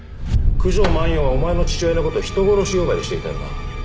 九条万葉はお前の父親のことを人殺し呼ばわりしていたよな。